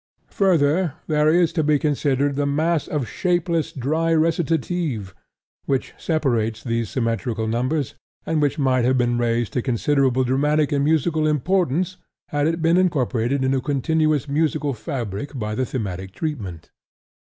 Further, there is to be considered the mass of shapeless "dry recitative" which separates these symmetrical numbers, and which might have been raised to considerable dramatic and musical importance had it been incorporated into a continuous musical fabric by thematic treatment.